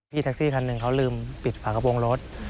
แท็กซี่คันหนึ่งเขาลืมปิดฝากระโปรงรถ